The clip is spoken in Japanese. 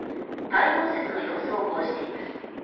太陽節の様子を報じています。